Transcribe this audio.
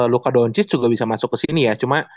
luka doncic juga bisa masuk kesini ya cuma